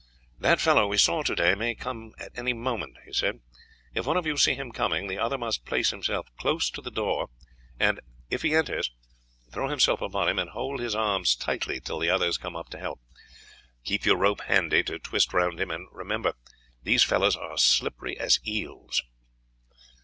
"That fellow we saw today may come at any moment," he said. "If one of you see him coming, the other must place himself close to the door, and if he enters, throw himself upon him and hold his arms tightly till the others come up to help. Keep your rope handy to twist round him, and remember these fellows are as slippery as eels."